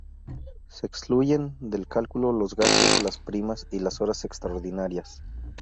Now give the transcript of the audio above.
Se excluyen del cálculo los gastos, las primas y las horas extraordinarias.